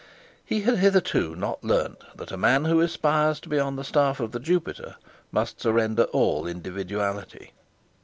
He had hitherto not learnt that a man who aspires to be on the staff of the Jupiter must surrender all individuality.